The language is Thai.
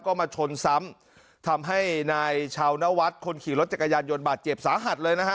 ก็มาชนซ้ำทำให้นายชาวนวัฒน์คนขี่รถจักรยานยนต์บาดเจ็บสาหัสเลยนะฮะ